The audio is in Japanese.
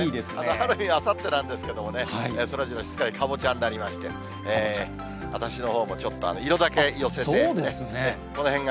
ハロウィーンはあさってなんですけれどもね、そらジロー、すっかりカボチャになりまして、私のほうもちょっと、色だけ寄せて。